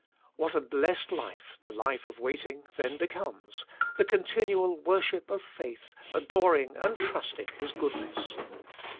What a blessed life the life of waiting then becomes, the continual worship of faith, ador ing and trusting His goodness.